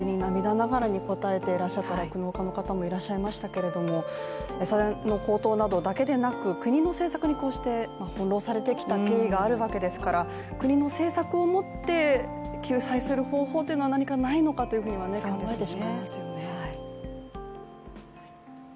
喜入キャスターに問いかけに涙ながらに答えていらっしゃった酪農家の方もいらっしゃいましたけれども、餌代の高騰だけでなく、国の政策にこうして翻弄されてきた経緯があるわけですから、国の政策をもって救済する方法というのは何かないのかというふうに考えてしまいますよね。